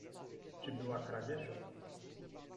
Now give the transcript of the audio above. "Czy była kradzież?"